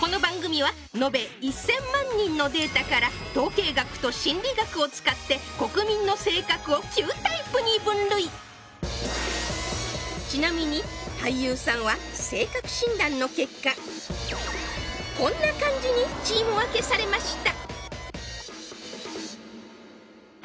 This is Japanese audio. この番組は延べ１０００万人のデータから統計学と心理学を使って国民の性格を９タイプに分類ちなみに俳優さんは性格診断の結果こんな感じにチーム分けされました